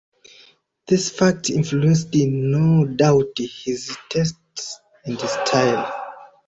These facts influenced no doubt his tastes and style.